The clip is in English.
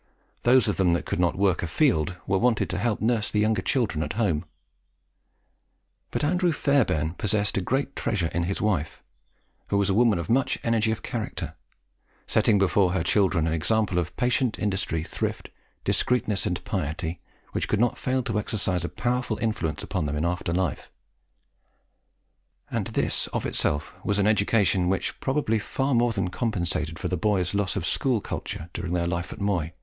Those of them that could not work afield were wanted to help to nurse the younger children at home. But Andrew Fairbairn possessed a great treasure in his wife, who was a woman of much energy of character, setting before her children an example of patient industry, thrift, discreetness, and piety, which could not fail to exercise a powerful influence upon them in after life; and this, of itself, was an education which probably far more than compensated for the boys' loss of school culture during their life at Moy.